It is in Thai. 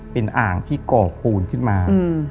เป็นอ่างที่ก่อปูนขึ้นมา